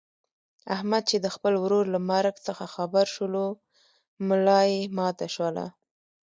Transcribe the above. احمد چې د خپل ورور له مرګ څخه خبر شولو ملایې ماته شوله.